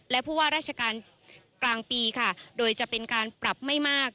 และผู้ว่าราชการกลางปีค่ะโดยจะเป็นการปรับไม่มาก